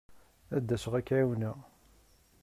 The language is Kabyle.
Ad d-asaɣ ad k-ɛiwneɣ.